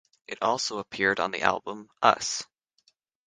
It also appeared on the album "Us!".